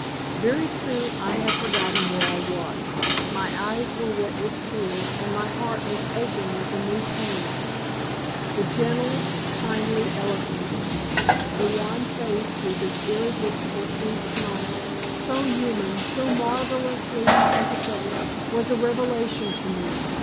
Very soon I had forgotten where I was. My eyes were wet with tears, and my heart was aching with a new pain. The gentle, kindly, eloquence, the wan face, with its irresistible sweet smile, so human, so marvellously sympathetic, was a revelation to me.